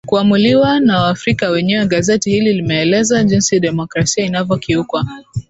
kuamuliwa na waafrika wenyewe gazeti hili limeeleza jinsi demokrasia inavyokiukwa